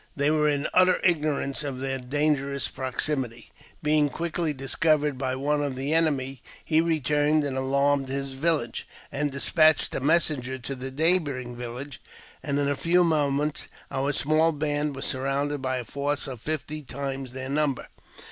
They, were in utter ignorance of their dangerous proximi Being quickly discovered by one of the enemy, he retumi and alarmed his village, and despatched a message to th( neighbouring village ; and in a few moments our small band was surrounded by a force of fifty times their number.